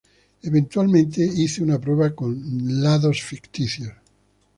Eventualmente hice una prueba con lados ficticios.